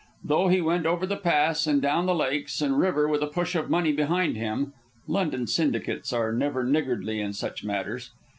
Though he went over the Pass and down the lakes and river with a push of money behind him (London syndicates are never niggardly in such matters).